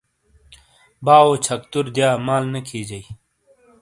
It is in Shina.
باو و چھکتُر دیا مال نے کھیجئی۔